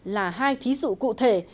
là hai thí dụ cụ thể